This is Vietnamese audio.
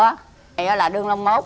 điểm đó là đường lông mốt